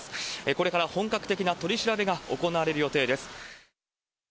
これから本格的な取り調べが行われる予定です。